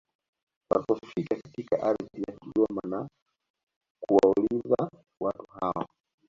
Walipofika katika ardhi ya Kigoma na kuwauliza watu hao